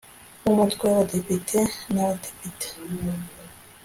w Umutwe w Abadepite n Abadepite